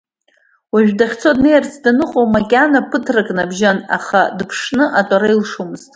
Уажәы дахьцо днеирц даныҟоу макьана ԥыҭк набжьан, аха дыԥшны атәара илшомызт.